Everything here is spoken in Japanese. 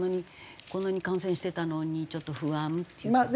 こんなに感染してたのにちょっと不安っていうか。